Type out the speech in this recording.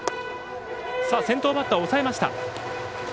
先頭バッターを抑えました。